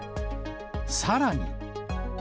さらに。